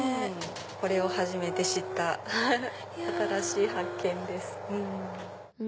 これを始めて知った新しい発見です。